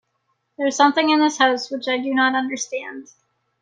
There is something in this house which I do not understand.